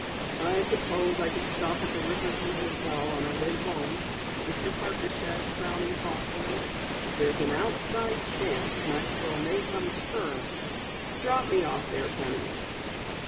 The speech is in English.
"I suppose I could stop at the Riverview Hotel on our way home," Mr. Parker said, frowning thoughtfully. "There's an outside chance Maxwell may come to terms. Drop me off there, Penny."